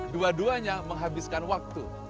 dua duanya menghabiskan waktu